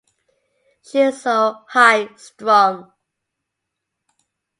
She’s so high strung.